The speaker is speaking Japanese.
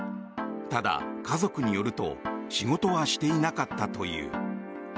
ただ、家族によると仕事はしていなかったという。